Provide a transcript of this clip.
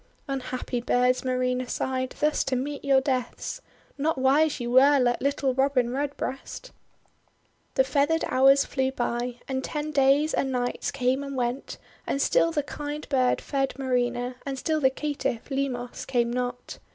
"Unhappy birds!' Marina sighed, "thus to meet your deaths! Not wise you were, like little Robin Redbreast !' The feathered hours flew by, and ten days and nights came and went, and still the kind bird fed Marina, and still the caitiff, Limos, came not.